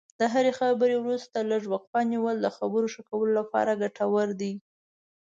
د هرې خبرې وروسته لږه وقفه نیول د خبرو ښه کولو لپاره ګټور دي.